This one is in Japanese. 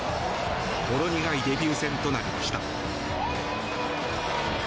ほろ苦いデビュー戦となりました。